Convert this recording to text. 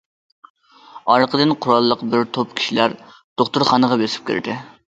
ئارقىدىن قوراللىق بىر توپ كىشىلەر دوختۇرخانىغا بېسىپ كىردى.